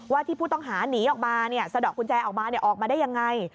ที่ผู้ต้องหาหนีออกมาสะดอกกุญแจออกมาออกมาได้ยังไง